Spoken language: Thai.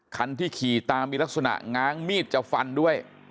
คันที่ขี่ตามมีลักษณะง้างมีดจะฟันด้วย